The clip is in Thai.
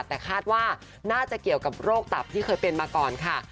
แต่คาดว่าน่าจะเกี่ยวกับโรคตับที่เคยเป็นมาก่อนค่ะ